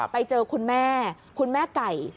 ไปเจอคุณแม่คุณแม่ไก่